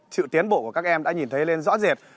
sự tiến bộ của các em đã nhìn thấy lên rõ rệt